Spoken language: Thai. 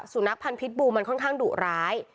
สุนัขพันธ์พิษบูมันค่อนข้างดุร้าย